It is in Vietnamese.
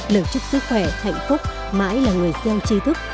lời chúc sức khỏe hạnh phúc mãi là người gieo tri thức